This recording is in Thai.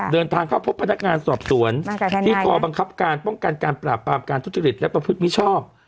เดินทางเข้าพบพนักงานสอบสวนที่กรบังคับการป้องกันการปราบปรามการทุจริตและประพฤติมิชชอบ